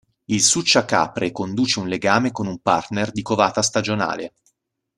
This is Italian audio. Il succiacapre conduce un legame con un partner di covata stagionale.